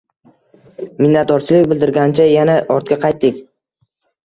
Minnatdorchilik bildirgancha yana ortga qaytdik.